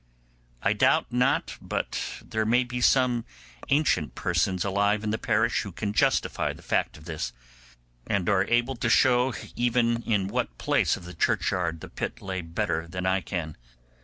I doubt not but there may be some ancient persons alive in the parish who can justify the fact of this, and are able to show even in what place of the churchyard the pit lay better than I can.